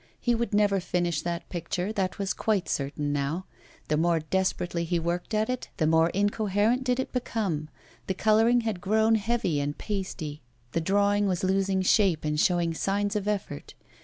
He would never finish that picture, that was quite certain now. The more desperately he worked at it, the more incoherent did it become; the colouring had grown heavy and pasty, the drawing was losing shape and showing signs of effort.